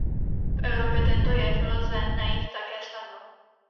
V Evropě tento jev lze najít také snadno.